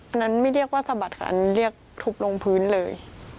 อันนั้นไม่เรียกว่าสะบัดกันเรียกทุบลงพื้นเลย